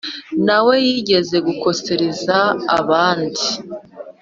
nawe, yigeze gukosereza abandi.